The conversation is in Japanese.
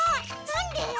なんで？